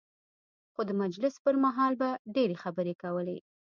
خو د مجلس پر مهال به ډېرې خبرې کولې.